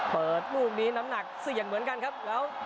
เปิดลูกนี้น้ำหนักเสี่ยงเหมือนกันครับแล้ว